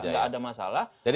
gak ada masalah